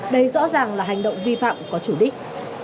đây rõ ràng là hành động vi phạm có chủ đích